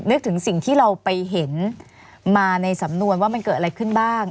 นึกถึงสิ่งที่เราไปเห็นมาในสำนวนว่ามันเกิดอะไรขึ้นบ้าง